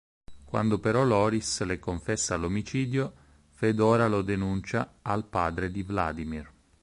Quando però Loris le confessa l'omicidio, Fedora lo denuncia al padre di Vladimir.